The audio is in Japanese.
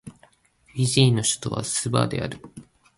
フィジーの首都はスバである